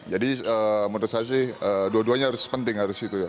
jadi menurut saya sih dua duanya harus penting harus itu ya